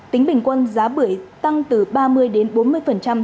tính bình quân giá bưởi tăng từ ba mươi đồng đến bốn mươi đồng